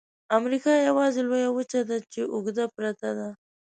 امریکا یوازني لویه وچه ده چې اوږده پرته ده.